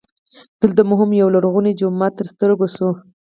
دلته مو هم یولرغونی جومات تر ستر ګو سو.